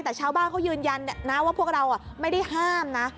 แต่ชาวบ้านเขายืนยันนะว่าพวกเราไม่ได้ห้ามนะ